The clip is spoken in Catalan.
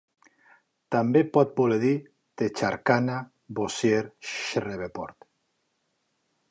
També pot voler dir Texarkana, Bossier, Shreveport.